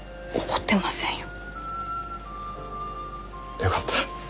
よかった。